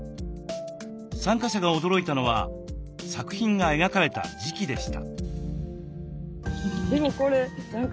参加者が驚いたのは作品が描かれた時期でした。